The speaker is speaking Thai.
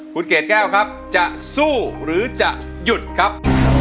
คุณเกดแก้วครับจะสู้หรือจะหยุดครับ